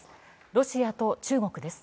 ロシアと中国です。